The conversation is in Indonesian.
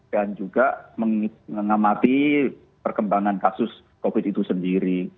dan juga mengamati perkembangan kasus covid itu sendiri